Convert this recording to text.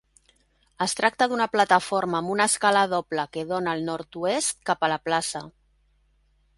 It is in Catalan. Es tracta d'una plataforma amb una escala doble que dona al nord-oest cap a la plaça.